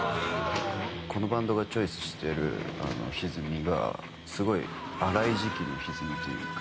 このバンドがチョイスしてる歪みがすごい荒い時期の歪みというか。